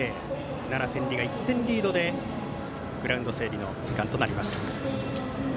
奈良・天理が１点リードでグラウンド整備の時間となります。